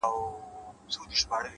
• زه وايم راسه شعر به وليكو،